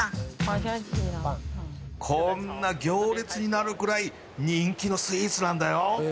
こんな行列になるくらい人気のスイーツなんだよ